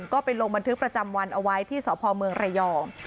ก็ไปลงบันทึกประจำวันเอาไว้ที่สพเมืองระยอง